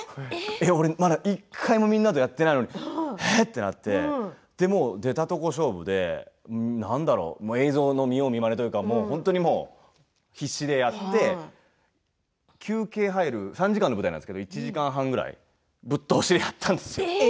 俺、まだ１回もまだみんなとやってないのにええっ！ってなって出たとこ勝負で、何だろう映像の見よう見まねというか本当に必死でやって休憩入る、３時間の舞台なんですが１時間半ぐらいぶっ通しでやったんです。